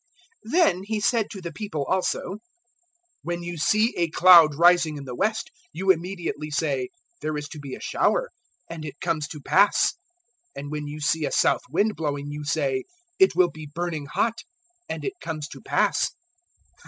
012:054 Then He said to the people also, "When you see a cloud rising in the west, you immediately say, `There is to be a shower;' and it comes to pass. 012:055 And when you see a south wind blowing, you say, `It will be burning hot;' and it comes to pass.